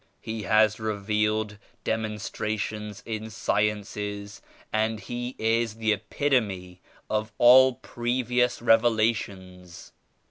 He has revealed demon strations in sciences and He is the epitome of all previous Revelations.